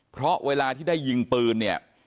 เพราะเวลาที่ได้ยิงปืนเนี่ย